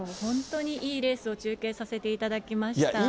本当にいいレースを中継させていただきました。